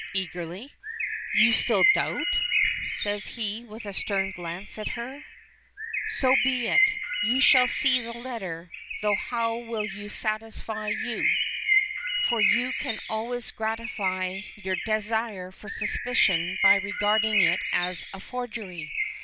Eagerly. "You still doubt?" says he, with a stern glance at her. "So be it; you shall see the letter, though how will that satisfy you? For you can always gratify your desire for suspicion by regarding it as a forgery.